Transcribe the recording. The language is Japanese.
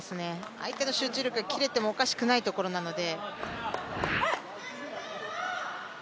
相手の集中力が切れてもおかしくないところなので。